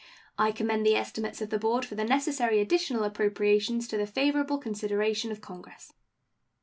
I commend the estimates of the board for the necessary additional appropriations to the favorable consideration of Congress.